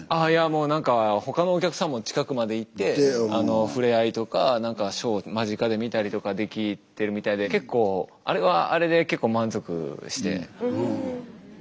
もう何か他のお客さんも近くまで行ってふれあいとか何かショー間近で見たりとかできてるみたいで結構あれはあれで結構満足して。